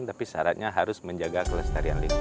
tapi syaratnya harus menjaga kelestarian lingkungan